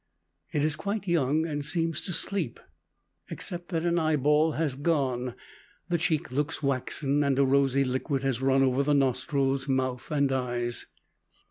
It is quite young, and seems to sleep, except that an eyeball has gone, the cheek looks waxen, and a rosy liquid has run over the nostrils, mouth, and eyes.